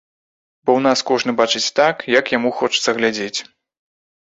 Бо ў нас кожны бачыць так, як яму хочацца глядзець.